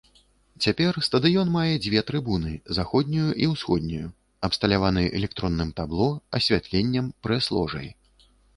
Цяпер стадыён мае дзве трыбуны, заходнюю і ўсходнюю, абсталяваны электронным табло, асвятленнем, прэс-ложай.